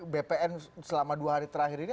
bpn selama dua hari terakhir ini